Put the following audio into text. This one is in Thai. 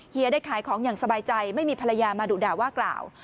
ได้ขายของอย่างสบายใจไม่มีภรรยามาดุด่าว่ากล่าว